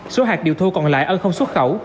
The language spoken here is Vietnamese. số hạt điều thô còn lại ân không xuất khẩu